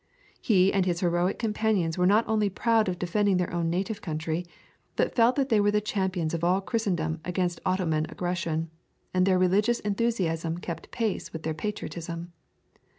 He and his heroic companions were not only proud of defending their own native country, but felt that they were the champions of all Christendom against Ottoman aggression, and their religious enthusiasm kept pace with their patriotism.